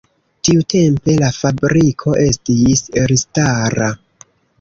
Tiutempe la fabriko estis elstara.